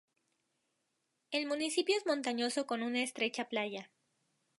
El municipio es montañoso con una estrecha playa.